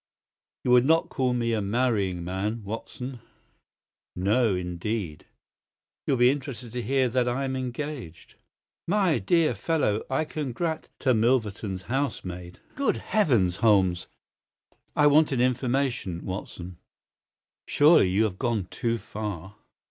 "You would not call me a marrying man, Watson?" "No, indeed!" "You'll be interested to hear that I am engaged." "My dear fellow! I congrat——" "To Milverton's housemaid." "Good heavens, Holmes!" "I wanted information, Watson." "Surely you have gone too far?"